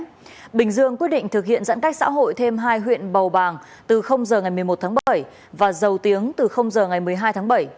trước đó bình dương quyết định thực hiện giãn cách xã hội thêm hai huyện bầu bàng từ h ngày một mươi một tháng bảy và dầu tiếng từ h ngày một mươi hai tháng bảy